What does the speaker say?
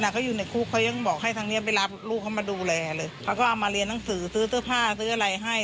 เขาอยู่ในคุกเขายังบอกให้ทางนี้ไปรับลูกเขามาดูแลเลยเขาก็เอามาเรียนหนังสือซื้อเสื้อผ้าซื้ออะไรให้